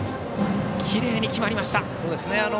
きれいに決まりました。